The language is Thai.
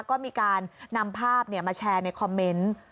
ก็มีการนำภาพมาแชร์ในคอมเมนต์